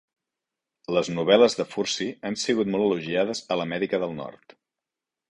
Les novel·les de Fursey han sigut molt elogiades a l'Amèrica del Nord.